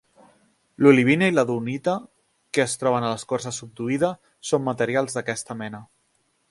L'olivina i la dunita, que es troben en l'escorça subduïda, són materials d'aquesta mena.